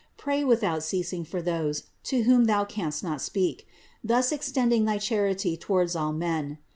Pray without ceasing for those to whom thou canst not speak; thus extend ing thy charity towards all men.